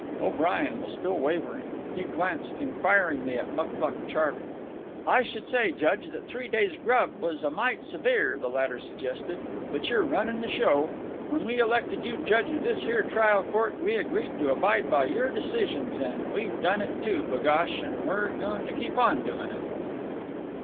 O'Brien was still wavering. He glanced inquiringly at Mucluc Charley. "I should say, Judge, that three days' grub was a mite severe," the latter suggested; "but you're runnin' the show. When we elected you judge of this here trial court, we agreed to abide by your decisions, an' we've done it, too, b'gosh, an' we're goin' to keep on doin' it."